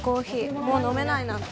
もう飲めないなんて